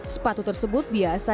sepatu tersebut biasa